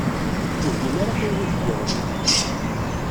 Ur gin ara tayri deg yiḍ-nni.